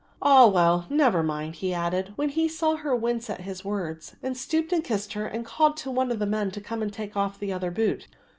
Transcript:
"Ah, well, never mind," he added, when he saw her wince at his words, and stooped and kissed her and called to one of the men to come and take off the other boot.